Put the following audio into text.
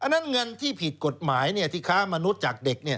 ยันที่ผิดกฎหมายที่ข้ามนุษย์จากเด็ก